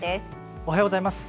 おはようございます。